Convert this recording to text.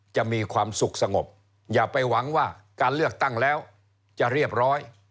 จะมีความสุขสงบอย่าไปหวังว่าการเลือกตั้งแล้วจะเรียบร้อย